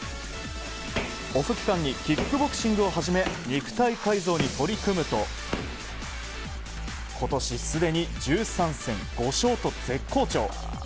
オフ期間にキックボクシングを始め肉体改造に取り組むと今年すでに１３戦５勝と絶好調。